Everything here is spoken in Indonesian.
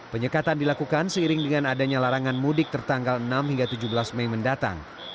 penyekatan dilakukan seiring dengan adanya larangan mudik tertanggal enam hingga tujuh belas mei mendatang